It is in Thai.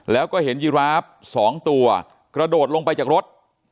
แล้วก็เห็นยีราฟ๒ตัวกระโดดลงไปจากรถ